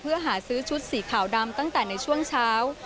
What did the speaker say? เพื่อหาซื้อชุดสีขาวดำตั้งแต่ในช่วงเช้า